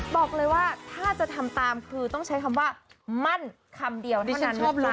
บอกเลยว่าถ้าจะทำตามคือต้องใช้คำว่ามั่นคำเดียวที่ฉันชอบเลย